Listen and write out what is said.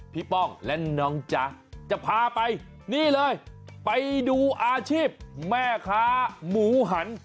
ป้องและน้องจ๊ะจะพาไปนี่เลยไปดูอาชีพแม่ค้าหมูหัน